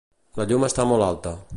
La llum està molt alta.